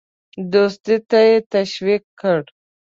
دوستی ته تشویق کړ.